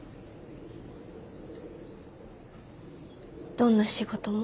どんな仕事も？